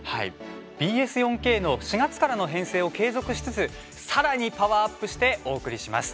ＢＳ４Ｋの４月からの編成を継続しつつ、さらにパワーアップしてお送りします。